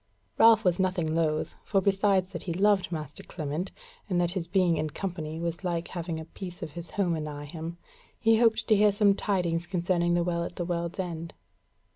Ralph was nothing loth, for besides that he loved master Clement, and that his being in company was like having a piece of his home anigh him, he hoped to hear some tidings concerning the Well at the World's End.